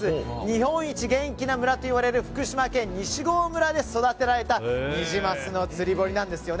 日本一元気な村と呼ばれる福島県西郷村で育てられたニジマスの釣り堀です。